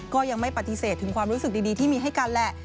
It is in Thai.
ก็ยังไม่ปฏิเสธถึงความรู้สึกดีที่มีให้กันแหละ